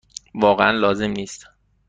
واقعا لازم نیست.